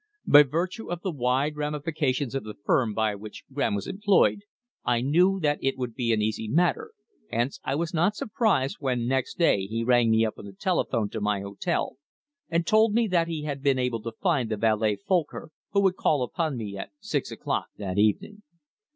By virtue of the wide ramifications of the firm by which Graham was employed, I knew that it would be an easy matter, hence I was not surprised when next day he rang me up on the telephone to my hotel and told me that he had been able to find the valet Folcker who would call upon me at six o'clock that evening.